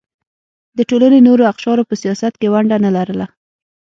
د ټولنې نورو اقشارو په سیاست کې ونډه نه لرله.